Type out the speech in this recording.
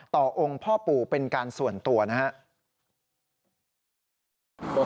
องค์พ่อปู่เป็นการส่วนตัวนะครับ